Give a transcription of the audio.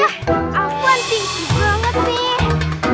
aku yang tinggi banget nih